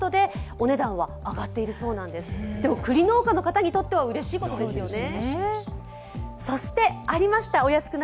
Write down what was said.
クリ農家の方にとってはうれしいことですよね。